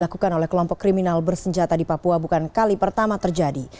dilakukan oleh kelompok kriminal bersenjata di papua bukan kali pertama terjadi